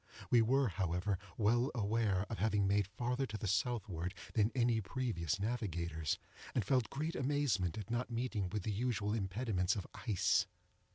We were, however, well aware of having made farther to the southward than any previous navigators, and felt great amazement at not meeting with the usual impediments of ice.